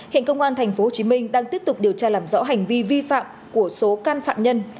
hiện công an tp hcm đang tiếp tục điều tra làm rõ hành vi vi phạm của số can phạm nhân